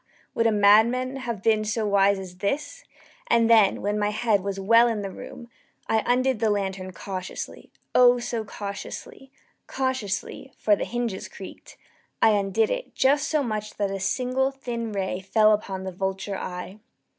would a madman have been so wise as this, And then, when my head was well in the room, I undid the lantern cautiously oh, so cautiously cautiously (for the hinges creaked) I undid it just so much that a single thin ray fell upon the vulture eye.